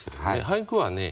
俳句はね